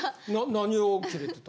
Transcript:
何をキレてた？